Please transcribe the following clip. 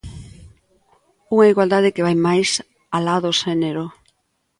Unha igualdade que vai máis alá do xénero.